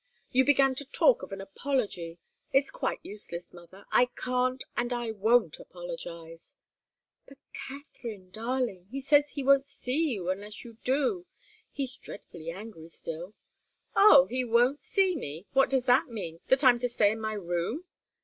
You began to talk of an apology. It's quite useless, mother I can't and I won't apologize." "But, Katharine, darling he says he won't see you unless you do he's dreadfully angry still!" "Oh he won't see me? What does that mean? That I'm to stay in my room?"